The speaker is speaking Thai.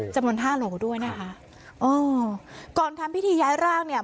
จำนวนห้าโหลด้วยนะคะอ๋อก่อนทำพิธีย้ายร่างเนี่ย